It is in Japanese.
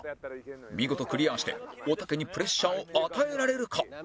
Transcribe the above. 見事クリアしておたけにプレッシャーを与えられるか？